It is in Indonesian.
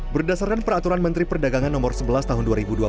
berdasarkan peraturan menteri perdagangan nomor sebelas tahun dua ribu dua puluh